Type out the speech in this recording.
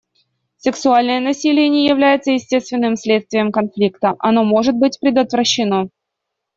Сексуальное насилие не является естественным следствием конфликта, оно может быть предотвращено.